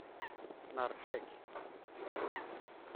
Neṛja-k.